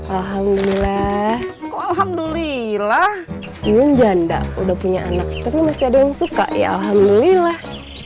alhamdulillah umum janda udah punya anak tapi masih ada yang suka ya alhamdulillah